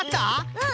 うん。